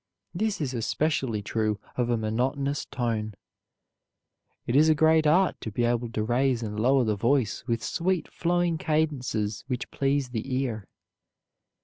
This is especially true of a monotonous tone. It is a great art to be able to raise and lower the voice with sweet flowing cadences which please the ear.